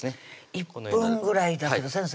１分ぐらいだけど先生